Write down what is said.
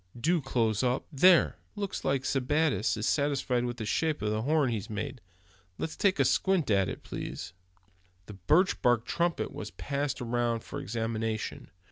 Do close up. There, looks like Sebattis is satisfied with the shape of the horn he's made. Let's take a squint at it, please." The birch bark trumpet was passed around for examination.